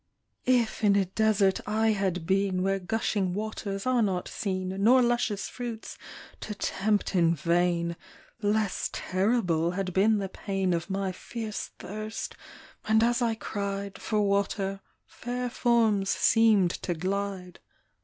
If in a desert I had been, Where gushing waters are not seen, Nor luscious fruits (to tempt in vain). Less terrible had been the pain Of my fierce thirst ; and as I cried For water, fair forms seemed to glide 28 HASHEESH VISIONS.